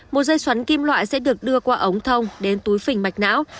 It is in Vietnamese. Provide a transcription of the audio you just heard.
một dây xoắn kim loại sẽ được đưa qua ống thông đến túi phình mạch não